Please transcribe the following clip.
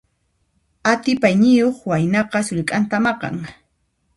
Atipayniyuq waynaqa sullk'anta maqan.